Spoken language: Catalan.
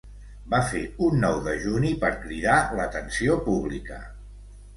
Va fer un nou dejuni per cridar l'atenció pública.